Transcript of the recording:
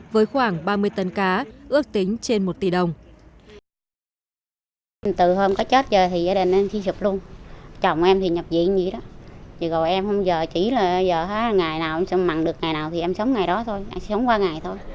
với khoảng ba mươi tấn cá ước tính trên một tỷ đồng